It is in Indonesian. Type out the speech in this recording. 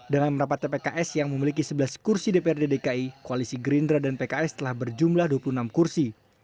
dalam rapat tpks yang memiliki sebelas kursi dprd dki koalisi gerindra dan pks telah berjumlah dua puluh enam kursi